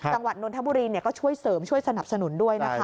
นนทบุรีก็ช่วยเสริมช่วยสนับสนุนด้วยนะคะ